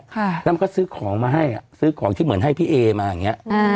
ค่ะแล้วมันก็ซื้อของมาให้อ่ะซื้อของที่เหมือนให้พี่เอมาอย่างเงี้อ่า